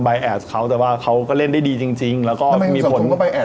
แอดเขาแต่ว่าเขาก็เล่นได้ดีจริงจริงแล้วก็ไม่มีผลก็ใบแอด